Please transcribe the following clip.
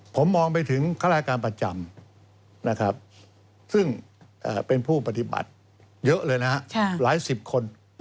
ผมมองไปถึงข้าราชการประจำนะครับซึ่งเป็นผู้ปฏิบัติเยอะเลยนะฮะหลายสิบคน